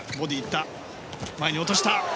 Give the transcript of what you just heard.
前に落とした！